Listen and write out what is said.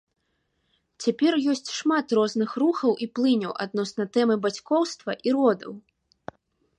Цяпер ёсць шмат розных рухаў і плыняў адносна тэмы бацькоўства і родаў.